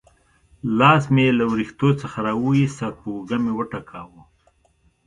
لاس مې یې له وریښتو څخه را وایست او پر اوږه مې وټکاوه.